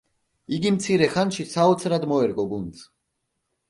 იგი მცირე ხანში საოცრად მოერგო გუნდს.